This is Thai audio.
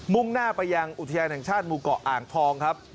่งหน้าไปยังอุทยานแห่งชาติหมู่เกาะอ่างทองครับ